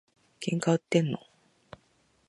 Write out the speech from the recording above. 喧嘩売ってんの？